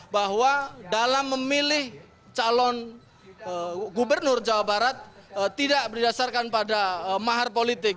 bahwa dalam memilih calon gubernur jawa barat tidak berdasarkan pada mahar politik